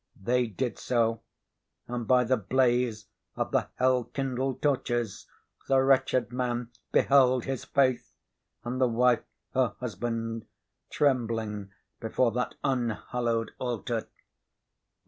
They did so; and, by the blaze of the hell kindled torches, the wretched man beheld his Faith, and the wife her husband, trembling before that unhallowed altar.